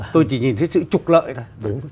tôi chỉ nhìn thấy sự trục lợi thôi